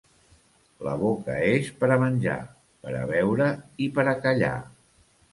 La boca és per a menjar, per a beure i per a callar.